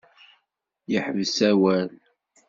Yeḥbes awal.